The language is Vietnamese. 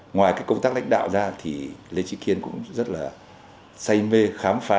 ngoài công tác lãnh đạo ra thì lê trí kiên cũng rất là say mê khám phá